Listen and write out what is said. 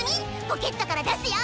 ポケットから出すよ。